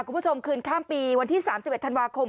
คุณผู้ชมคืนข้ามปีวันที่๓๑ธันวาคม